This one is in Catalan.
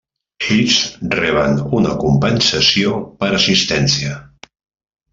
Ells reben una compensació per assistència.